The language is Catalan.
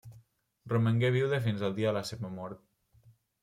Romangué viuda fins al dia de la seva mort.